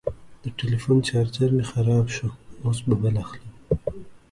د ټلیفون چارجر مې خراب شو، اوس به بل اخلم.